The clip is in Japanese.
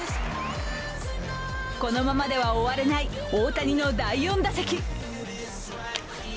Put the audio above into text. このままでは終われない大谷第４打席。